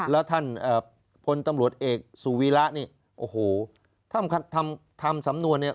และท่านคนตำรวจเอกสุวิระต์นี่โอ้โหถ้าเขาทำสำนวนนี้